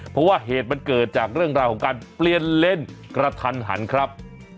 เพราะว่าเหตุมันเกิดจากเรื่องราวของการเปลี่ยนเลนส์กระทันหันครับ